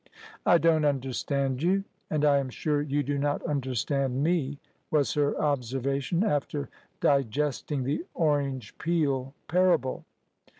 "I don't understand you, and I am sure you do not understand me," was her observation, after digesting the orange peel parable.